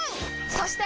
そして！